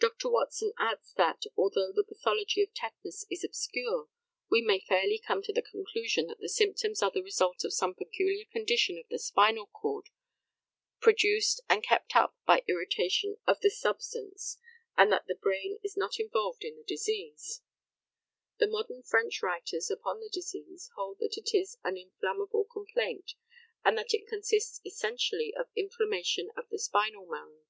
Dr. Watson adds that, although the pathology of tetanus is obscure, we may fairly come to the conclusion that the symptoms are the result of some peculiar condition of the spinal cord, produced and kept up by irritation of the substance, and that the brain is not involved in the disease; the modern French writers upon the disease hold that it is an inflammable complaint, and that it consists essentially of inflammation of the spinal marrow.